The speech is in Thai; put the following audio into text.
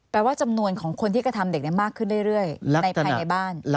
ว่าจำนวนของคนที่กระทำเด็กมากขึ้นเรื่อยภายในบ้าน